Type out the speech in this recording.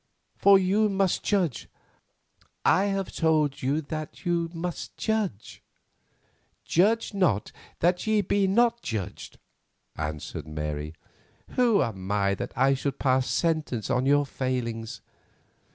For you must judge; I have told you that you must judge." "Judge not, that ye be not judged," answered Mary. "Who am I that I should pass sentence on your failings?